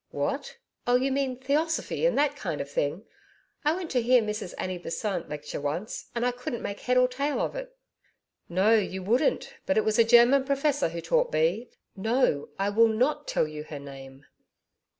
'What! Oh, you mean Theosophy and that kind of thing. I went to hear Mrs Annie Besant lecture once, and I couldn't make head or tail of it.' 'No. You wouldn't. But it was a German Professor who taught B No. I will NOT tell you her name.'